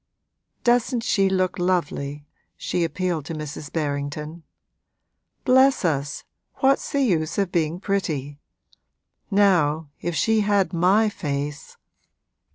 'Doesn't she look lovely?' She appealed to Mrs. Berrington. 'Bless us, what's the use of being pretty? Now, if she had my face!'